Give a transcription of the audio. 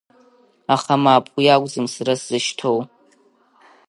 Аха, мап, уи акәӡам сара сзышьҭоу…